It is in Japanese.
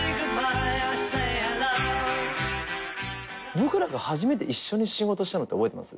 僕らが初めて一緒に仕事したのって覚えてます？